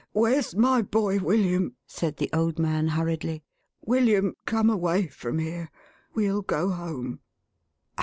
"Where's my boy William?''1 said the old man hurriedly. "William, come away from here. Well go home."